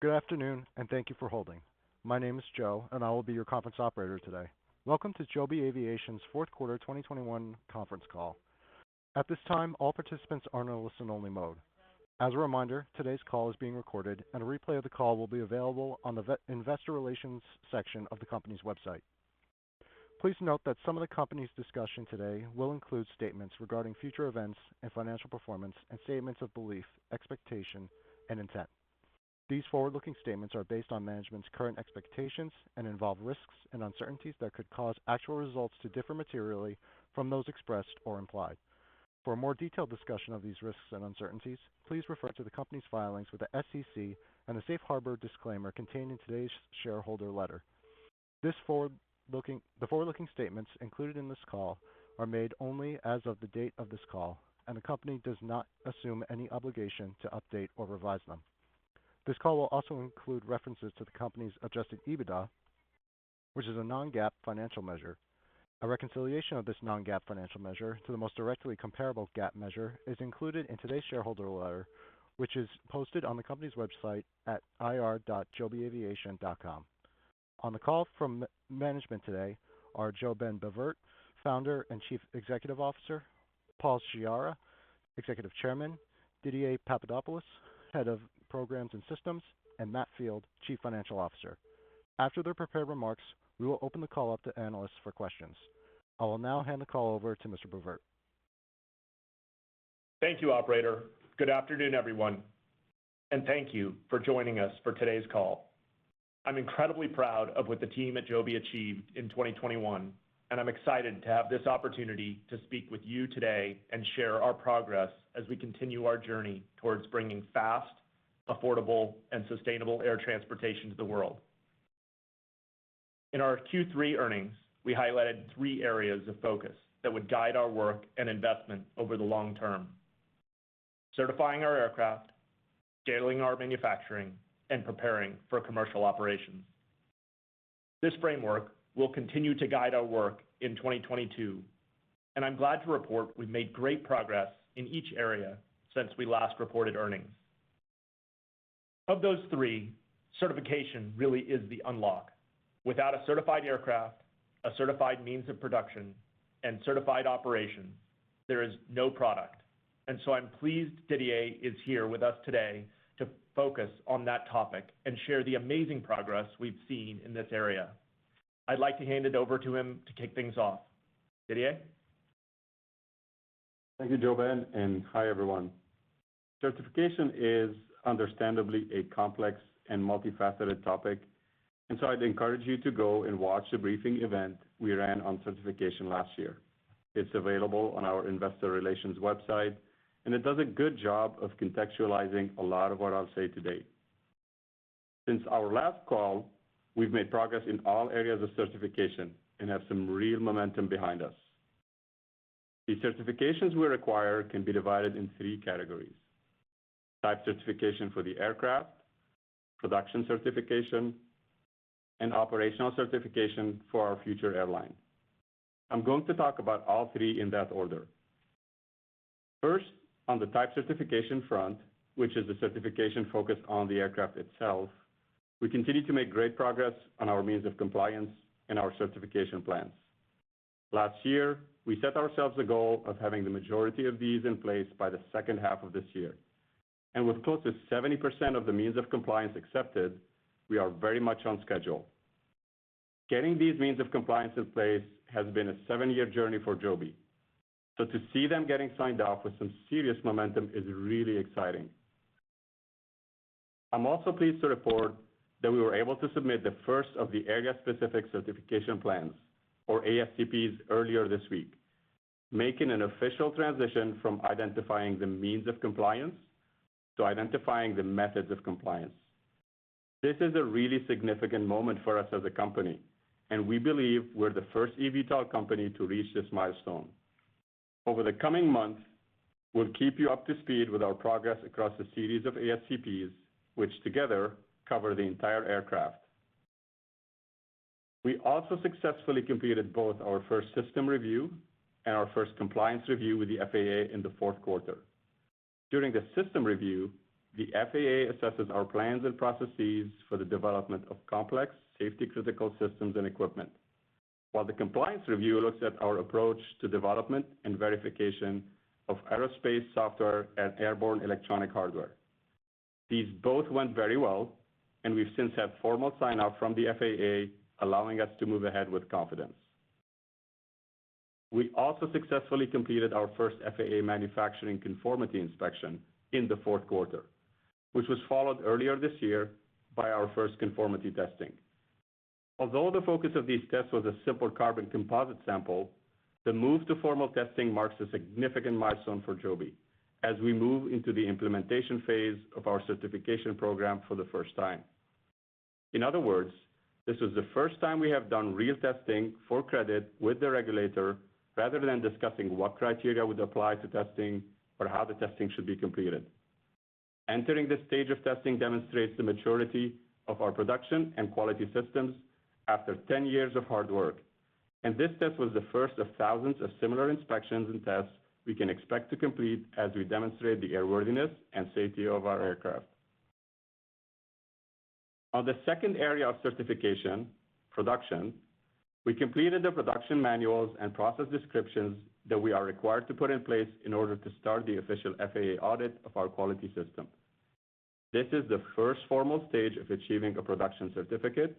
Good afternoon and thank you for holding. My name is Joe, and I will be your conference operator today. Welcome to Joby Aviation's fourth quarter 2021 conference call. At this time all participants are in a listen only mode. As a reminder, today's call is being recorded and a replay of the call will be available on the investor relations section of the company's website. Please note that some of the company's discussion today will include statements regarding future events and financial performance and statements of belief, expectation, and intent. These forward-looking statements are based on management's current expectations and involve risks and uncertainties that could cause actual results to differ materially from those expressed or implied. For a more detailed discussion of these risks and uncertainties, please refer to the company's filings with the SEC and the safe harbor disclaimer contained in today's shareholder letter. The forward-looking statements included in this call are made only as of the date of this call, and the company does not assume any obligation to update or revise them. This call will also include references to the company's adjusted EBITDA, which is a non-GAAP financial measure. A reconciliation of this non-GAAP financial measure to the most directly comparable GAAP measure is included in today's shareholder letter, which is posted on the company's website at ir.jobyaviation.com. On the call from management today are JoeBen Bevirt, Founder and Chief Executive Officer, Paul Sciarra, Executive Chairman, Didier Papadopoulos, Head of Programs and Systems, and Matt Field, Chief Financial Officer. After their prepared remarks, we will open the call up to analysts for questions. I will now hand the call over to Mr. Bevirt. Thank you operator. Good afternoon everyone, and thank you for joining us for today's call. I'm incredibly proud of what the team at Joby achieved in 2021, and I'm excited to have this opportunity to speak with you today and share our progress as we continue our journey towards bringing fast, affordable, and sustainable air transportation to the world. In our Q3 earnings, we highlighted three areas of focus that would guide our work and investment over the long term. Certifying our aircraft, scaling our manufacturing, and preparing for commercial operations. This framework will continue to guide our work in 2022, and I'm glad to report we've made great progress in each area since we last reported earnings. Of those three, certification really is the unlock. Without a certified aircraft, a certified means of production, and certified operations, there is no product. I'm pleased Didier is here with us today to focus on that topic and share the amazing progress we've seen in this area. I'd like to hand it over to him to kick things off. Didier. Thank you JoeBen, and hi everyone. Certification is understandably a complex and multifaceted topic, so I'd encourage you to go and watch the briefing event we ran on certification last year. It's available on our investor relations website, and it does a good job of contextualizing a lot of what I'll say today. Since our last call, we've made progress in all areas of certification and have some real momentum behind us. The certifications we require can be divided in three categories. Type certification for the aircraft, production certification, and operational certification for our future airline. I'm going to talk about all three in that order. First, on the type certification front, which is the certification focused on the aircraft itself, we continue to make great progress on our means of compliance and our certification plans. Last year, we set ourselves the goal of having the majority of these in place by the second half of this year. With close to 70% of the means of compliance accepted, we are very much on schedule. Getting these means of compliance in place has been a seven-year journey for Joby. To see them getting signed off with some serious momentum is really exciting. I'm also pleased to report that we were able to submit the first of the area specific certification plans or ASCPs earlier this week, making an official transition from identifying the means of compliance to identifying the methods of compliance. This is a really significant moment for us as a company, and we believe we're the first eVTOL company to reach this milestone. Over the coming months, we'll keep you up to speed with our progress across a series of ASCPs, which together cover the entire aircraft. We also successfully completed both our first Systems Review and our first Compliance Review with the FAA in the fourth quarter. During the Systems Review, the FAA assesses our plans and processes for the development of complex safety-critical systems and equipment. While the Compliance Review looks at our approach to development and verification of aerospace software and airborne electronic hardware. These both went very well and we've since had formal sign off from the FAA, allowing us to move ahead with confidence. We also successfully completed our first FAA manufacturing conformity inspection in the fourth quarter, which was followed earlier this year by our first conformity testing. Although the focus of these tests was a simple carbon composite sample, the move to formal testing marks a significant milestone for Joby as we move into the implementation phase of our certification program for the first time. In other words, this is the first time we have done real testing for credit with the regulator rather than discussing what criteria would apply to testing or how the testing should be completed. Entering this stage of testing demonstrates the maturity of our production and quality systems after ten years of hard work. This test was the first of thousands of similar inspections and tests we can expect to complete as we demonstrate the airworthiness and safety of our aircraft. On the second area of certification, production, we completed the production manuals and process descriptions that we are required to put in place in order to start the official FAA audit of our quality system. This is the first formal stage of achieving a production certificate,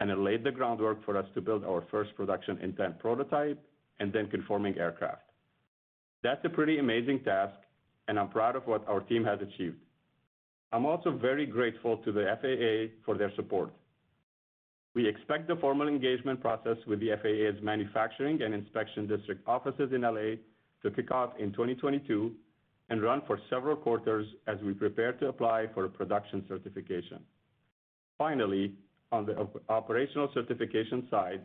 and it laid the groundwork for us to build our first production intent prototype and then conforming aircraft. That's a pretty amazing task, and I'm proud of what our team has achieved. I'm also very grateful to the FAA for their support. We expect the formal engagement process with the FAA's manufacturing and inspection district offices in L.A. to kick off in 2022 and run for several quarters as we prepare to apply for a production certification. Finally, on the operational certification side,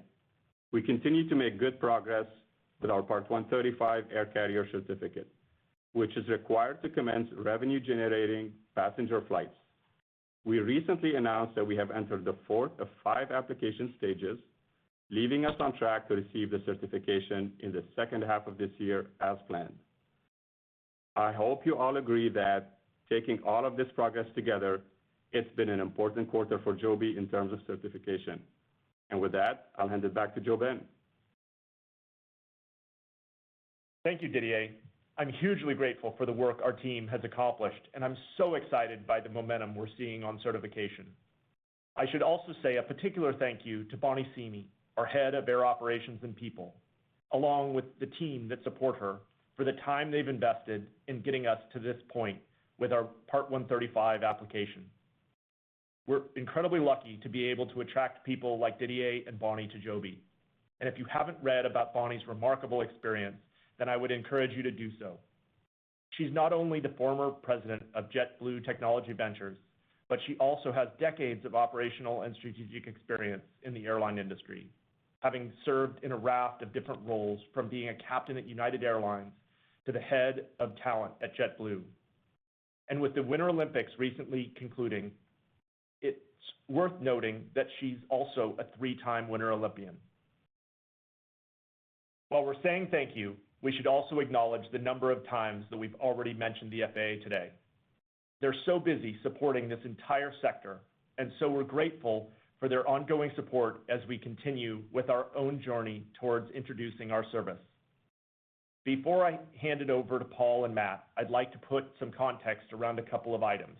we continue to make good progress with our Part 135 Air Carrier Certificate, which is required to commence revenue-generating passenger flights. We recently announced that we have entered the fourth of five application stages, leaving us on track to receive the certification in the second half of this year as planned. I hope you all agree that taking all of this progress together, it's been an important quarter for Joby in terms of certification. With that, I'll hand it back to JoeBen. Thank you, Didier. I'm hugely grateful for the work our team has accomplished, and I'm so excited by the momentum we're seeing on certification. I should also say a particular thank you to Bonny Simi, our Head of Air Operations and People, along with the team that support her for the time they've invested in getting us to this point with our Part 135 application. We're incredibly lucky to be able to attract people like Didier and Bonny to Joby. If you haven't read about Bonny's remarkable experience, then I would encourage you to do so. She's not only the former President of JetBlue Technology Ventures, but she also has decades of operational and strategic experience in the airline industry, having served in a raft of different roles from being a Captain at United Airlines to the Head of Talent at JetBlue. With the Winter Olympics recently concluding, it's worth noting that she's also a three-time Winter Olympian. While we're saying thank you, we should also acknowledge the number of times that we've already mentioned the FAA today. They're so busy supporting this entire sector, and so we're grateful for their ongoing support as we continue with our own journey towards introducing our service. Before I hand it over to Paul and Matt, I'd like to put some context around a couple of items.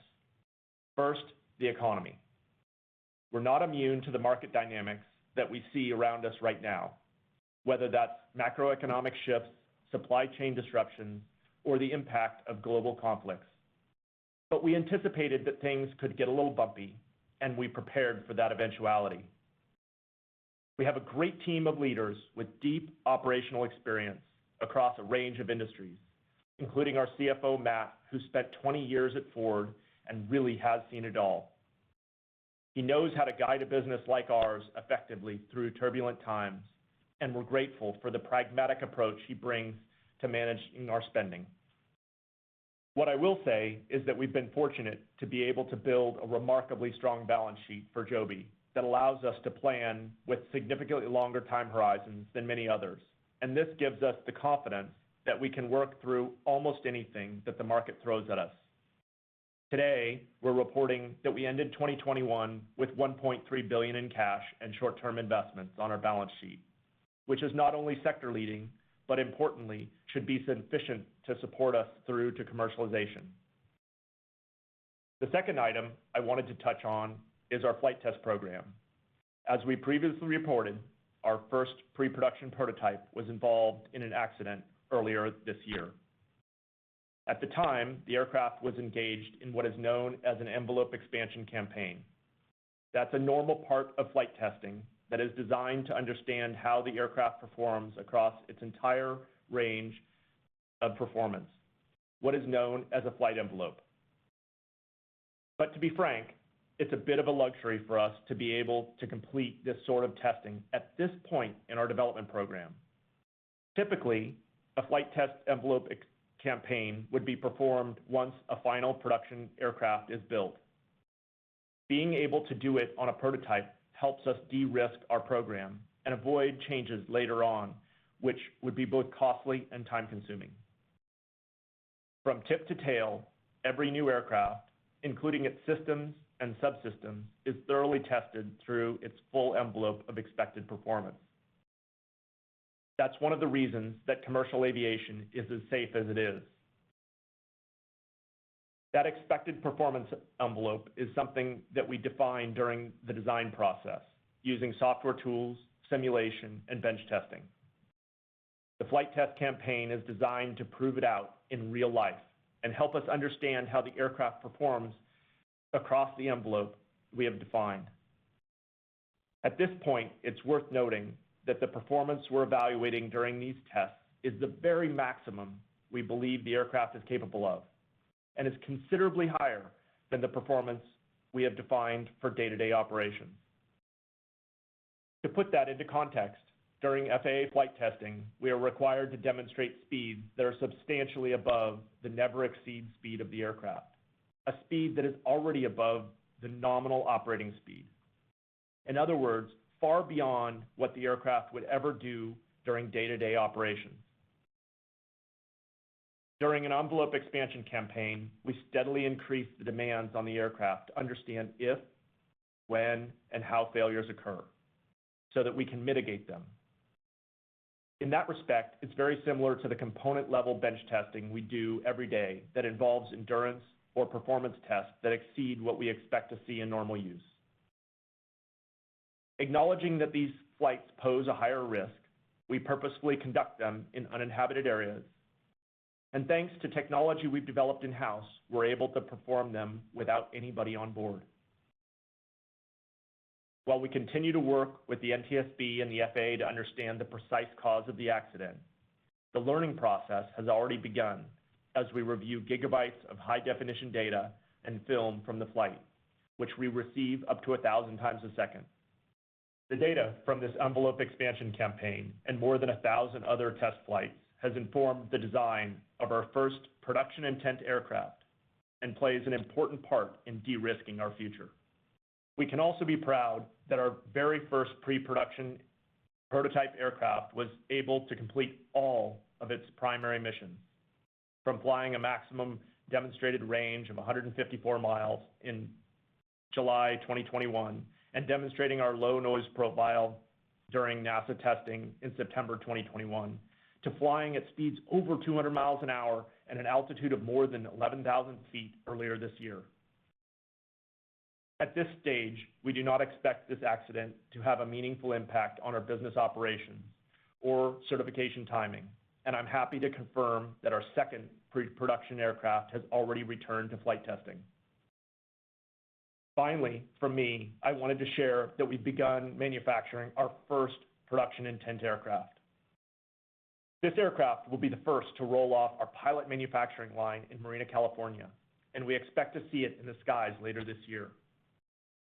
First, the economy. We're not immune to the market dynamics that we see around us right now, whether that's macroeconomic shifts, supply chain disruptions, or the impact of global conflicts. We anticipated that things could get a little bumpy, and we prepared for that eventuality. We have a great team of leaders with deep operational experience across a range of industries, including our CFO, Matt, who spent 20 years at Ford and really has seen it all. He knows how to guide a business like ours effectively through turbulent times, and we're grateful for the pragmatic approach he brings to managing our spending. What I will say is that we've been fortunate to be able to build a remarkably strong balance sheet for Joby that allows us to plan with significantly longer time horizons than many others. This gives us the confidence that we can work through almost anything that the market throws at us. Today, we're reporting that we ended 2021 with $1.3 billion in cash and short-term investments on our balance sheet, which is not only sector-leading, but importantly should be sufficient to support us through to commercialization. The second item I wanted to touch on is our flight test program. As we previously reported, our first pre-production prototype was involved in an accident earlier this year. At the time, the aircraft was engaged in what is known as an envelope expansion campaign. That's a normal part of flight testing that is designed to understand how the aircraft performs across its entire range of performance, what is known as a flight envelope. To be frank, it's a bit of a luxury for us to be able to complete this sort of testing at this point in our development program. Typically, a flight test envelope expansion campaign would be performed once a final production aircraft is built. Being able to do it on a prototype helps us de-risk our program and avoid changes later on, which would be both costly and time-consuming. From tip to tail, every new aircraft, including its systems and subsystems, is thoroughly tested through its full envelope of expected performance. That's one of the reasons that commercial aviation is as safe as it is. That expected performance envelope is something that we define during the design process using software tools, simulation, and bench testing. The flight test campaign is designed to prove it out in real life and help us understand how the aircraft performs across the envelope we have defined. At this point, it's worth noting that the performance we're evaluating during these tests is the very maximum we believe the aircraft is capable of and is considerably higher than the performance we have defined for day-to-day operations. To put that into context, during FAA flight testing, we are required to demonstrate speeds that are substantially above the never-exceed speed of the aircraft. A speed that is already above the nominal operating speed. In other words, far beyond what the aircraft would ever do during day-to-day operations. During an envelope expansion campaign, we steadily increase the demands on the aircraft to understand if, when, and how failures occur so that we can mitigate them. In that respect, it's very similar to the component-level bench testing we do every day that involves endurance or performance tests that exceed what we expect to see in normal use. Acknowledging that these flights pose a higher risk, we purposefully conduct them in uninhabited areas. Thanks to technology we've developed in-house, we're able to perform them without anybody on board. While we continue to work with the NTSB and the FAA to understand the precise cause of the accident, the learning process has already begun as we review gigabytes of high-definition data and film from the flight, which we receive up to 1,000 times a second. The data from this envelope expansion campaign and more than 1,000 other test flights has informed the design of our first production intent aircraft and plays an important part in de-risking our future. We can also be proud that our very first pre-production prototype aircraft was able to complete all of its primary missions, from flying a maximum demonstrated range of 154 mi in July 2021 and demonstrating our low noise profile during NASA testing in September 2021, to flying at speeds over 200 mi an hour at an altitude of more than 11,000 ft earlier this year. At this stage, we do not expect this accident to have a meaningful impact on our business operations or certification timing, and I'm happy to confirm that our second pre-production aircraft has already returned to flight testing. Finally, from me, I wanted to share that we've begun manufacturing our first production intent aircraft. This aircraft will be the first to roll off our pilot manufacturing line in Marina, California, and we expect to see it in the skies later this year.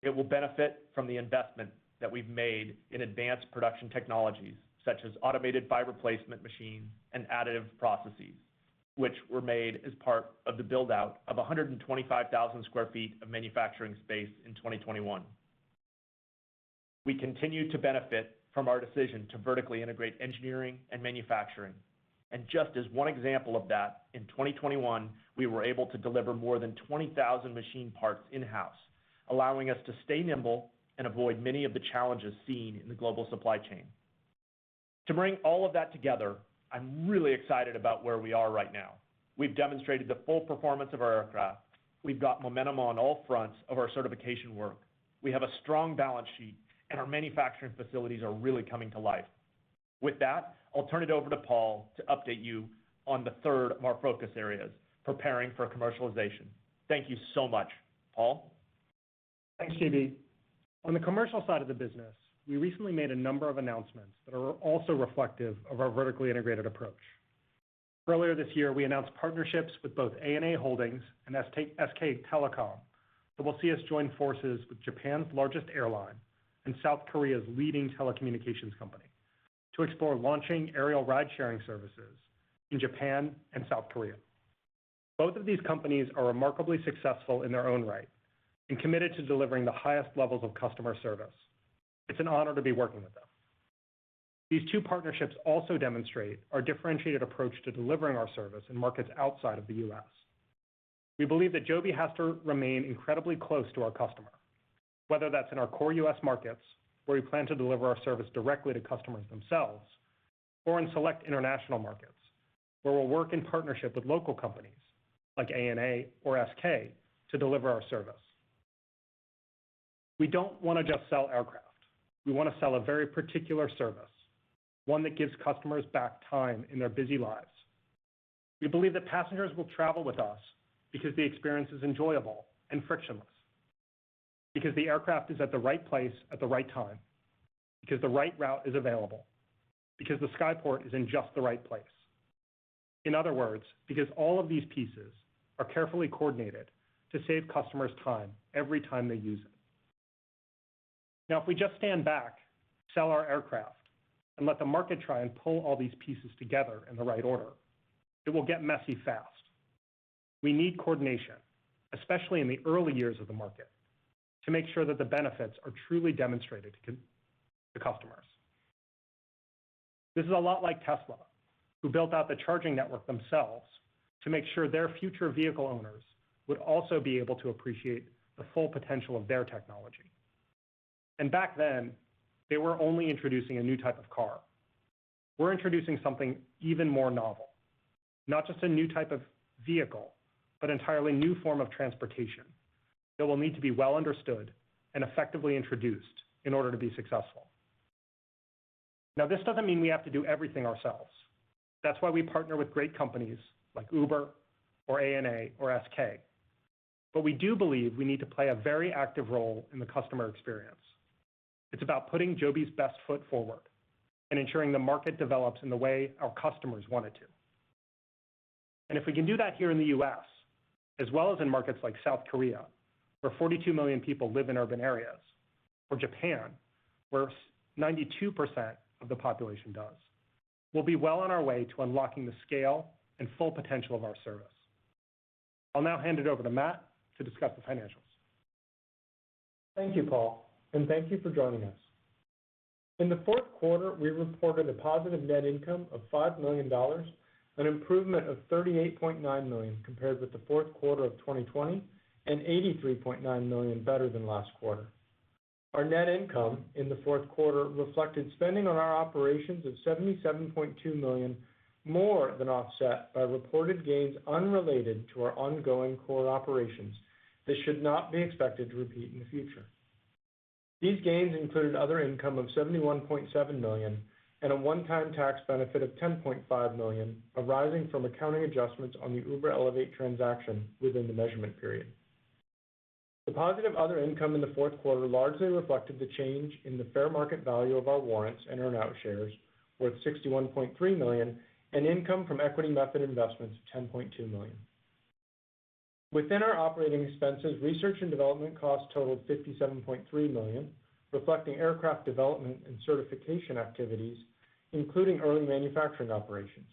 It will benefit from the investment that we've made in advanced production technologies such as automated fiber placement machines and additive processes, which were made as part of the build-out of 125,000 sq ft of manufacturing space in 2021. We continue to benefit from our decision to vertically integrate engineering and manufacturing. Just as one example of that, in 2021, we were able to deliver more than 20,000 machine parts in-house, allowing us to stay nimble and avoid many of the challenges seen in the global supply chain. To bring all of that together, I'm really excited about where we are right now. We've demonstrated the full performance of our aircraft. We've got momentum on all fronts of our certification work. We have a strong balance sheet, and our manufacturing facilities are really coming to life. With that, I'll turn it over to Paul to update you on the third of our focus areas, preparing for commercialization. Thank you so much. Paul? Thanks, JB. On the commercial side of the business, we recently made a number of announcements that are also reflective of our vertically integrated approach. Earlier this year, we announced partnerships with both ANA Holdings and SK Telecom that will see us join forces with Japan's largest airline and South Korea's leading telecommunications company to explore launching aerial ride-sharing services in Japan and South Korea. Both of these companies are remarkably successful in their own right and committed to delivering the highest levels of customer service. It's an honor to be working with them. These two partnerships also demonstrate our differentiated approach to delivering our service in markets outside of the U.S.. We believe that Joby has to remain incredibly close to our customer, whether that's in our core U.S. markets, where we plan to deliver our service directly to customers themselves, or in select international markets, where we'll work in partnership with local companies like ANA or SK to deliver our service. We don't want to just sell aircraft. We want to sell a very particular service, one that gives customers back time in their busy lives. We believe that passengers will travel with us because the experience is enjoyable and frictionless because the aircraft is at the right place at the right time, because the right route is available, because the sky port is in just the right place. In other words, because all of these pieces are carefully coordinated to save customers time every time they use it. Now, if we just stand back, sell our aircraft, and let the market try and pull all these pieces together in the right order, it will get messy fast. We need coordination, especially in the early years of the market, to make sure that the benefits are truly demonstrated to customers. This is a lot like Tesla, who built out the charging network themselves to make sure their future vehicle owners would also be able to appreciate the full potential of their technology. Back then, they were only introducing a new type of car. We're introducing something even more novel, not just a new type of vehicle, but entirely new form of transportation that will need to be well understood and effectively introduced in order to be successful. Now, this doesn't mean we have to do everything ourselves. That's why we partner with great companies like Uber or ANA or SK. We do believe we need to play a very active role in the customer experience. It's about putting Joby's best foot forward and ensuring the market develops in the way our customers want it to. If we can do that here in the U.S. as well as in markets like South Korea, where 42 million people live in urban areas, or Japan, where 92% of the population does. We'll be well on our way to unlocking the scale and full potential of our service. I'll now hand it over to Matt to discuss the financials. Thank you, Paul, and thank you for joining us. In the fourth quarter, we reported a positive net income of $5 million, an improvement of $38.9 million compared with the fourth quarter of 2020, and $83.9 million better than last quarter. Our net income in the fourth quarter reflected spending on our operations of $77.2 million, more than offset by reported gains unrelated to our ongoing core operations that should not be expected to repeat in the future. These gains included other income of $71.7 million and a one-time tax benefit of $10.5 million arising from accounting adjustments on the Uber Elevate transaction within the measurement period. The positive other income in the fourth quarter largely reflected the change in the fair market value of our warrants and earnout shares worth $61.3 million and income from equity method investments of $10.2 million. Within our operating expenses, research and development costs totaled $57.3 million, reflecting aircraft development and certification activities, including early manufacturing operations.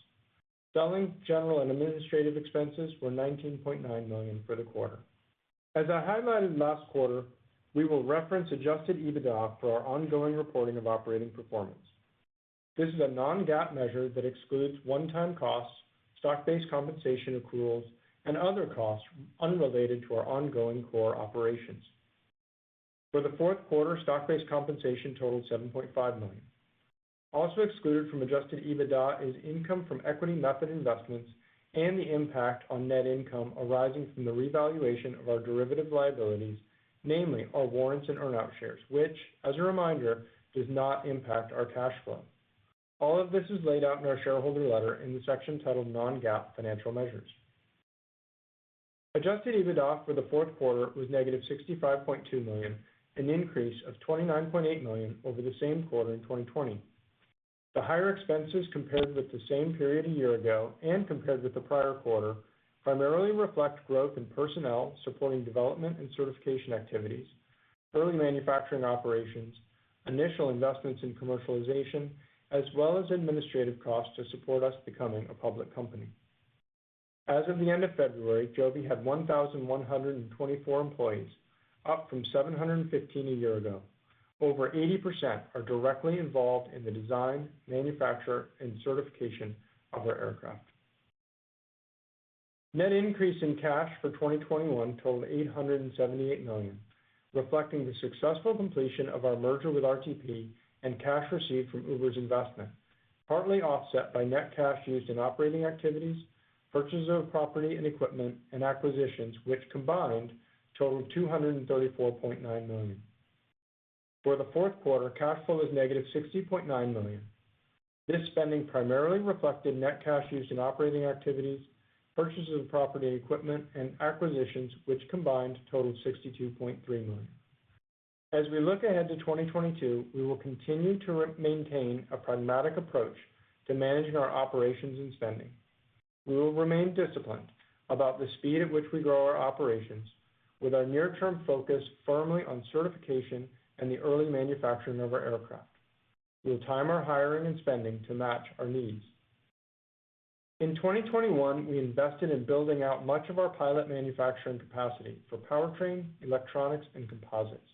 Selling, general and administrative expenses were $19.9 million for the quarter. As I highlighted last quarter, we will reference adjusted EBITDA for our ongoing reporting of operating performance. This is a non-GAAP measure that excludes one-time costs, stock-based compensation accruals, and other costs unrelated to our ongoing core operations. For the fourth quarter, stock-based compensation totaled $7.5 million. Excluded from adjusted EBITDA is income from equity method investments and the impact on net income arising from the revaluation of our derivative liabilities, namely our warrants and earnout shares, which as a reminder, does not impact our cash flow. All of this is laid out in our shareholder letter in the section titled non-GAAP financial measures. Adjusted EBITDA for the fourth quarter was negative $65.2 million, an increase of $29.8 million over the same quarter in 2020. The higher expenses compared with the same period a year ago and compared with the prior quarter primarily reflect growth in personnel supporting development and certification activities, early manufacturing operations, initial investments in commercialization, as well as administrative costs to support us becoming a public company. As of the end of February, Joby had 1,124 employees, up from 715 a year ago. Over 80% are directly involved in the design, manufacture, and certification of our aircraft. Net increase in cash for 2021 totaled $878 million, reflecting the successful completion of our merger with RTP and cash received from Uber's investment, partly offset by net cash used in operating activities, purchases of property and equipment and acquisitions, which combined totaled $234.9 million. For the fourth quarter, cash flow was -$60.9 million. This spending primarily reflected net cash used in operating activities, purchases of property and equipment, and acquisitions, which combined totaled $62.3 million. As we look ahead to 2022, we will continue to maintain a pragmatic approach to managing our operations and spending. We will remain disciplined about the speed at which we grow our operations with our near-term focus firmly on certification and the early manufacturing of our aircraft. We'll time our hiring and spending to match our needs. In 2021, we invested in building out much of our pilot manufacturing capacity for powertrain, electronics, and composites.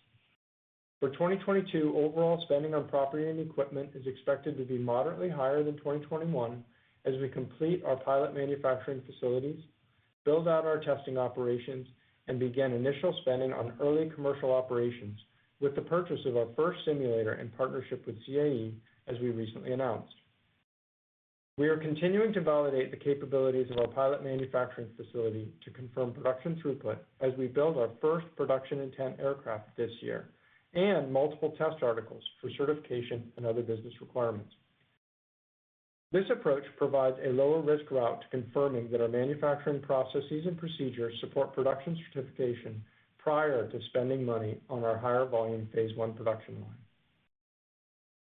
For 2022, overall spending on property and equipment is expected to be moderately higher than 2021 as we complete our pilot manufacturing facilities, build out our testing operations, and begin initial spending on early commercial operations with the purchase of our first simulator in partnership with CAE, as we recently announced. We are continuing to validate the capabilities of our pilot manufacturing facility to confirm production throughput as we build our first production intent aircraft this year, and multiple test articles for certification and other business requirements. This approach provides a lower risk route to confirming that our manufacturing processes and procedures support production certification prior to spending money on our higher volume phase one production line.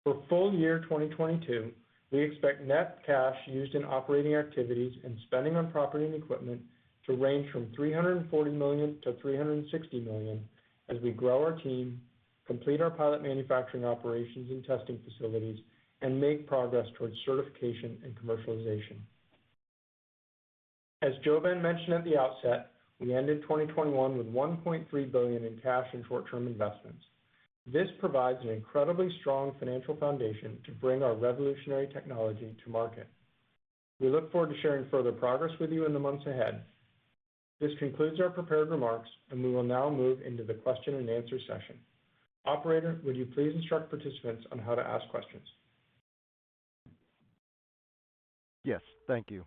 For full year 2022, we expect net cash used in operating activities and spending on property and equipment to range from $340 million-$360 million as we grow our team, complete our pilot manufacturing operations and testing facilities, and make progress towards certification and commercialization. As JoeBen mentioned at the outset, we ended 2021 with $1.3 billion in cash and short-term investments. This provides an incredibly strong financial foundation to bring our revolutionary technology to market. We look forward to sharing further progress with you in the months ahead. This concludes our prepared remarks, and we will now move into the question-and-answer session. Operator, would you please instruct participants on how to ask questions? Yes, thank you.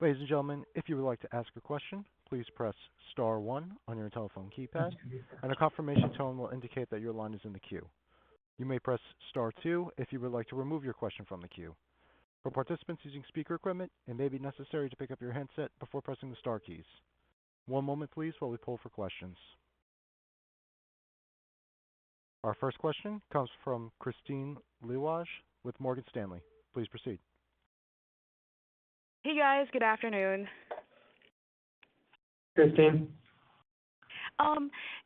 Ladies and gentlemen, if you would like to ask a question, please press star one on your telephone keypad, and a confirmation tone will indicate that your line is in the queue. You may press star two if you would like to remove your question from the queue. For participants using speaker equipment, it may be necessary to pick up your handset before pressing the star keys. One moment please while we poll for questions. Our first question comes from Kristine Liwag with Morgan Stanley. Please proceed. Hey, guys. Good afternoon. Kristine?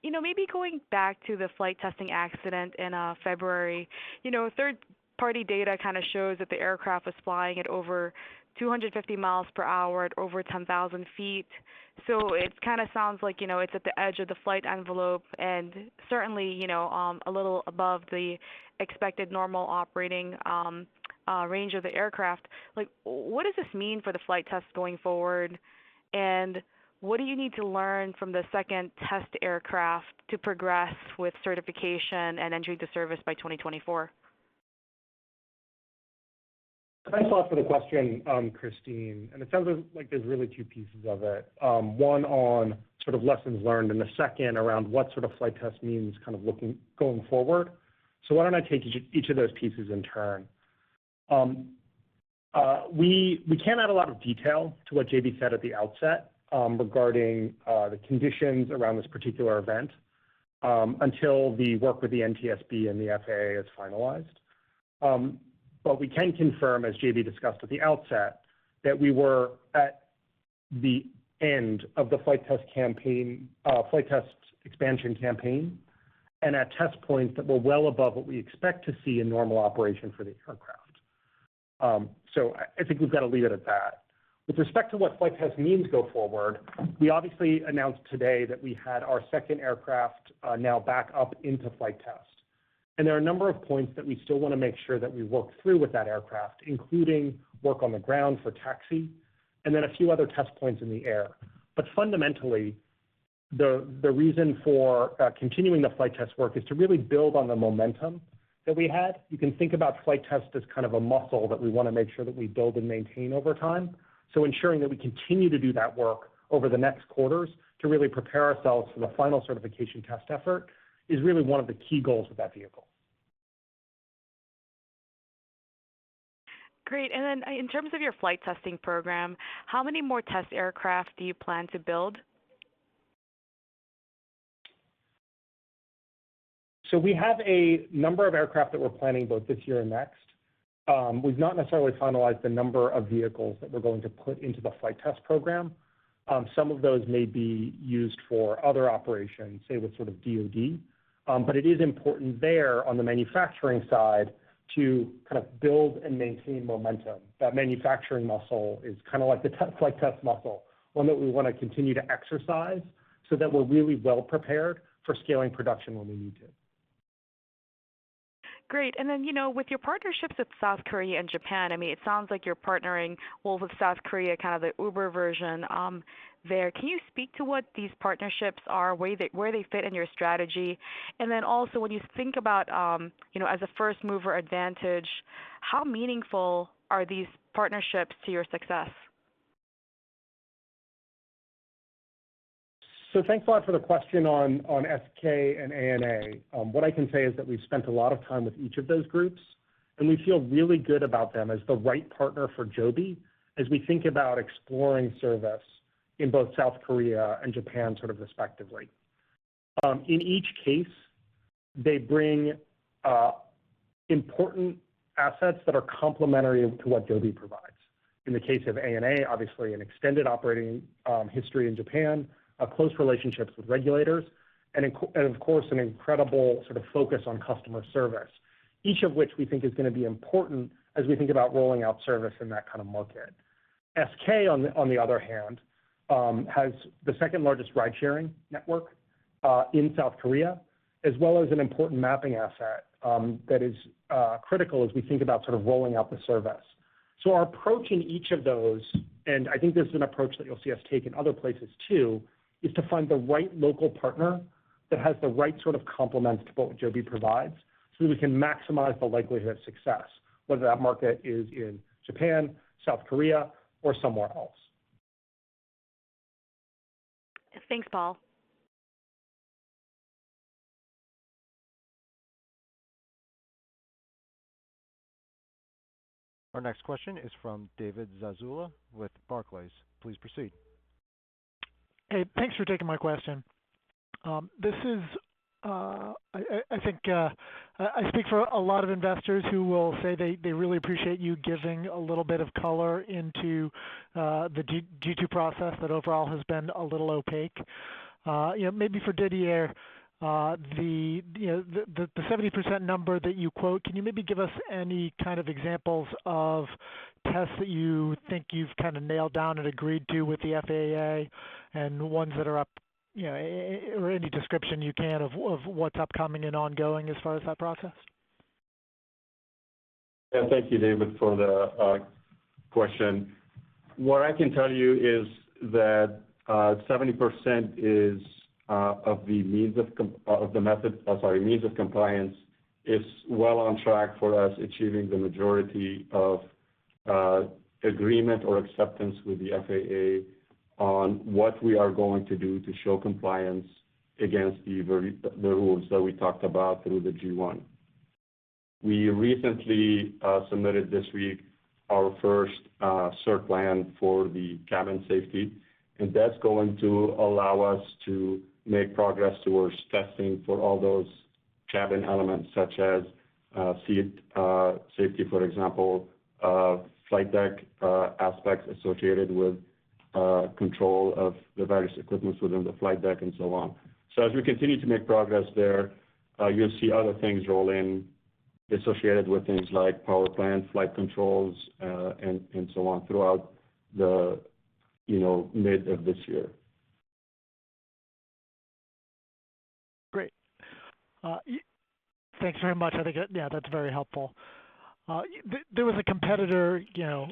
You know, maybe going back to the flight testing accident in February. You know, third-party data kind of shows that the aircraft was flying at over 250 mph at over 10,000 ft. It kind of sounds like, you know, it's at the edge of the flight envelope and certainly, you know, a little above the expected normal operating range of the aircraft. Like what does this mean for the flight test going forward? And what do you need to learn from the second test aircraft to progress with certification and entering the service by 2024? Thanks a lot for the question, Kristine. It sounds like there's really two pieces of it. One on sort of lessons learned, and the second around what sort of flight test means kind of going forward. Why don't I take each of those pieces in turn. We can't add a lot of detail to what JB said at the outset, regarding the conditions around this particular event, until the work with the NTSB and the FAA is finalized. We can confirm, as JB discussed at the outset, that we were at the end of the envelope expansion campaign. At test points that were well above what we expect to see in normal operation for the aircraft. I think we've got to leave it at that. With respect to what flight test means going forward, we obviously announced today that we had our second aircraft now back up into flight test. There are a number of points that we still wanna make sure that we work through with that aircraft, including work on the ground for taxi, and then a few other test points in the air. Fundamentally, the reason for continuing the flight test work is to really build on the momentum that we had. You can think about flight test as kind of a muscle that we want to make sure that we build and maintain over time. Ensuring that we continue to do that work over the next quarters to really prepare ourselves for the final certification test effort is really one of the key goals with that vehicle. Great. In terms of your flight testing program, how many more test aircraft do you plan to build? We have a number of aircraft that we're planning both this year and next. We've not necessarily finalized the number of vehicles that we're going to put into the flight test program. Some of those may be used for other operations, say with sort of DoD. It is important there on the manufacturing side to kind of build and maintain momentum. That manufacturing muscle is kind of like the flight test muscle, one that we want to continue to exercise so that we're really well prepared for scaling production when we need to. Great. You know, with your partnerships with South Korea and Japan, I mean, it sounds like you're partnering well with South Korea, kind of the Uber version, there. Can you speak to what these partnerships are, where they fit in your strategy? When you think about, you know, as a first-mover advantage, how meaningful are these partnerships to your success? Thanks a lot for the question on SK and ANA. What I can say is that we've spent a lot of time with each of those groups, and we feel really good about them as the right partner for Joby as we think about exploring service in both South Korea and Japan, sort of respectively. In each case, they bring important assets that are complementary to what Joby provides. In the case of ANA, obviously an extended operating history in Japan, close relationships with regulators and of course, an incredible sort of focus on customer service. Each of which we think is going to be important as we think about rolling out service in that kind of market. SK Telecom, on the other hand, has the second-largest ride-sharing network in South Korea, as well as an important mapping asset that is critical as we think about sort of rolling out the service. Our approach in each of those, and I think this is an approach that you'll see us take in other places too, is to find the right local partner that has the right sort of complements to what Joby provides so that we can maximize the likelihood of success, whether that market is in Japan, South Korea, or somewhere else. Thanks, Paul. Our next question is from David Zazula with Barclays. Please proceed. Hey, thanks for taking my question. This is, I think, I speak for a lot of investors who will say they really appreciate you giving a little bit of color into the G-2 process that overall has been a little opaque. You know, maybe for Didier, you know, the 70% number that you quote, can you maybe give us any kind of examples of tests that you think you've kind of nailed down and agreed to with the FAA and ones that are up, you know, any description you can of what's upcoming and ongoing as far as that process? Yeah, thank you, David, for the question. What I can tell you is that 70% of the means of compliance is well on track for us achieving the majority of agreement or acceptance with the FAA on what we are going to do to show compliance against the various rules that we talked about through the G-1. We recently submitted this week our first cert plan for the cabin safety, and that's going to allow us to make progress towards testing for all those cabin elements such as seat safety, for example, flight deck aspects associated with control of the various equipment within the flight deck, and so on. As we continue to make progress there, you'll see other things roll in associated with things like power plant, flight controls, and so on throughout the, you know, mid of this year. Great. Thanks very much. I think that, yeah, that's very helpful. There was a competitor, you know,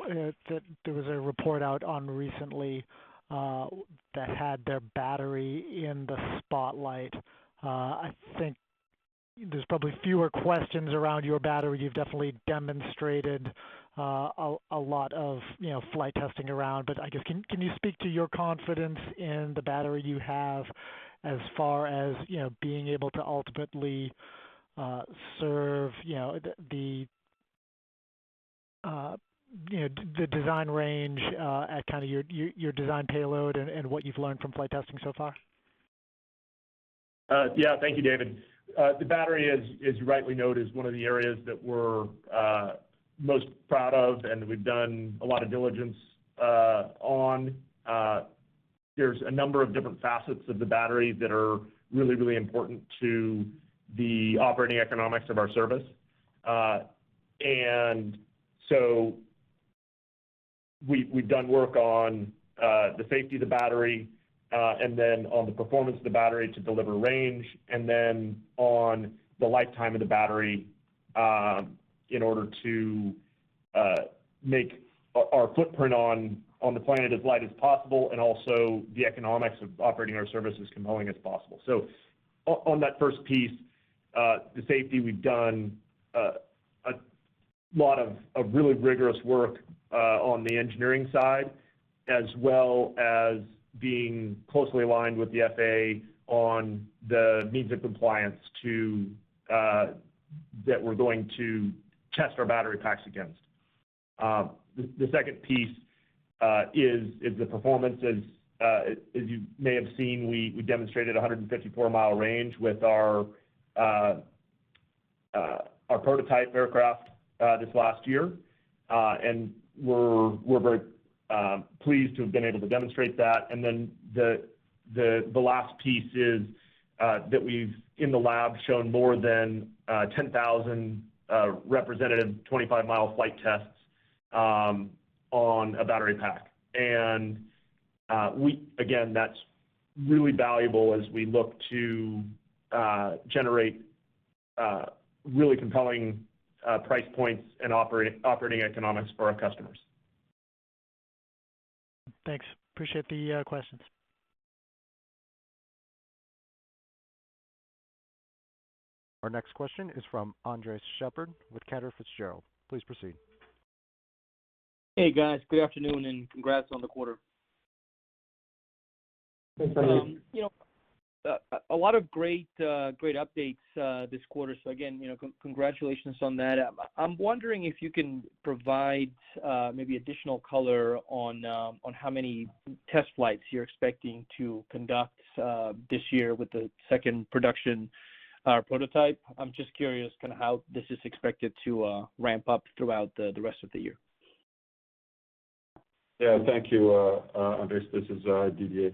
that there was a report out on recently, that had their battery in the spotlight. I think there's probably fewer questions around your battery. You've definitely demonstrated a lot of, you know, flight testing around. But I guess, can you speak to your confidence in the battery you have as far as, you know, being able to ultimately serve the design range at kinda your design payload and what you've learned from flight testing so far? Yeah. Thank you, David. The battery is, as you rightly note, one of the areas that we're most proud of, and we've done a lot of diligence on. There's a number of different facets of the battery that are really, really important to the operating economics of our service. And so we've done work on the safety of the battery, and then on the performance of the battery to deliver range, and then on the lifetime of the battery, in order to make our footprint on the planet as light as possible, and also the economics of operating our service as compelling as possible. On that first piece, the safety, we've done a lot of really rigorous work on the engineering side, as well as being closely aligned with the FAA on the means of compliance to that we're going to test our battery packs against. The second piece is the performance. As you may have seen, we demonstrated a 154 mi range with our prototype aircraft this last year. We're very pleased to have been able to demonstrate that. The last piece is that we've, in the lab, shown more than 10,000 representative 25 mi flight tests on a battery pack. Again, that's really valuable as we look to generate really compelling price points and operating economics for our customers. Thanks. Appreciate the questions. Our next question is from Andres Sheppard with Cantor Fitzgerald. Please proceed. Hey, guys. Good afternoon and congrats on the quarter. Thanks, Andres. You know, a lot of great updates this quarter. Again, you know, congratulations on that. I'm wondering if you can provide maybe additional color on how many test flights you're expecting to conduct this year with the second production prototype. I'm just curious kinda how this is expected to ramp up throughout the rest of the year. Yeah. Thank you, Andres. This is Didier.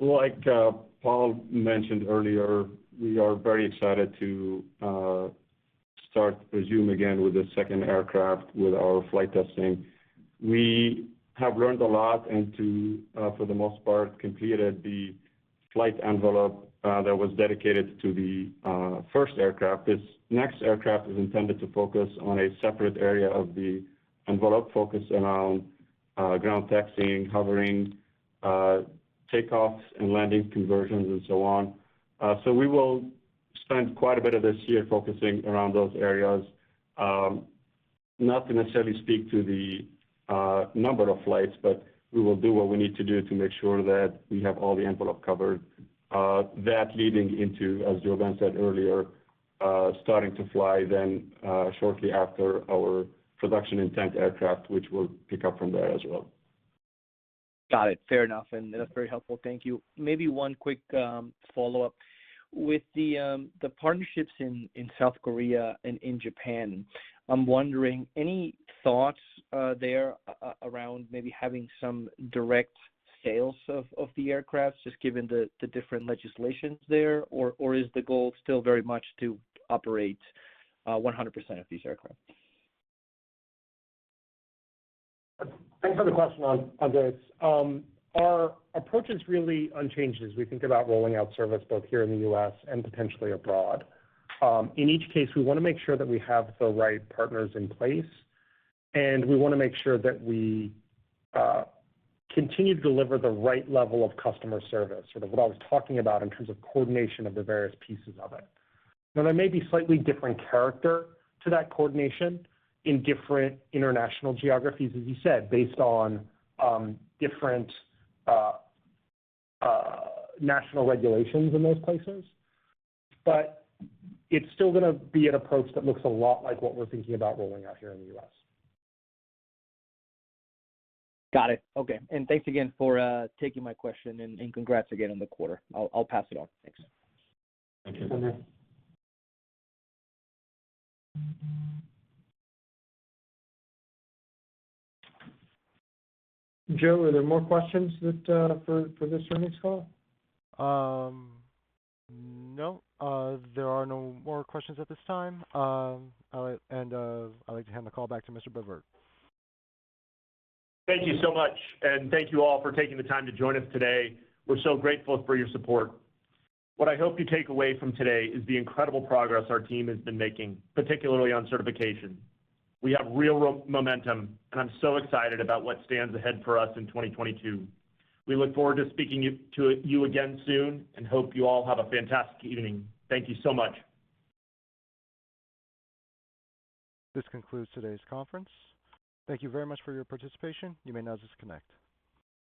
Like Paul mentioned earlier, we are very excited to resume again with the second aircraft with our flight testing. We have learned a lot and, for the most part, completed the flight envelope that was dedicated to the first aircraft. This next aircraft is intended to focus on a separate area of the envelope, focused around ground taxiing, hovering, takeoffs and landing conversions, and so on. We will spend quite a bit of this year focusing around those areas. Not to necessarily speak to the number of flights, but we will do what we need to do to make sure that we have all the envelope covered. That leading into, as JoeBen said earlier, starting to fly then, shortly after our production intent aircraft, which we'll pick up from there as well. Got it. Fair enough. That's very helpful. Thank you. Maybe one quick follow-up. With the partnerships in South Korea and in Japan, I'm wondering, any thoughts there around maybe having some direct sales of the aircraft, just given the different legislations there? Or is the goal still very much to operate 100% of these aircraft? Thanks for the question, Andres. Our approach is really unchanged as we think about rolling out service both here in the U.S. and potentially abroad. In each case, we wanna make sure that we have the right partners in place, and we wanna make sure that we continue to deliver the right level of customer service, sort of what I was talking about in terms of coordination of the various pieces of it. Now, there may be slightly different character to that coordination in different international geographies, as you said, based on different national regulations in those places. It's still gonna be an approach that looks a lot like what we're thinking about rolling out here in the U.S.. Got it. Okay. Thanks again for taking my question and congrats again on the quarter. I'll pass it on. Thanks. Thank you. Thanks. Joe, are there more questions that for this earnings call? No. There are no more questions at this time. I'd like to hand the call back to Mr. Bevirt. Thank you so much, and thank you all for taking the time to join us today. We're so grateful for your support. What I hope you take away from today is the incredible progress our team has been making, particularly on certification. We have real momentum, and I'm so excited about what stands ahead for us in 2022. We look forward to speaking to you again soon and hope you all have a fantastic evening. Thank you so much. This concludes today's conference. Thank you very much for your participation. You may now disconnect.